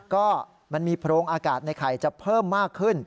ก็มันมีโพรงอากาศในไข่จะเพิ่มมากขึ้น